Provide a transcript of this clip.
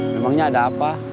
memangnya ada apa